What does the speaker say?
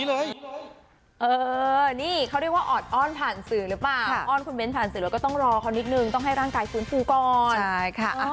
เฮ่ยจะมีส่วนที่สัญญาเดี๋ยวรีบไปทำเดี๋ยวนี้เลย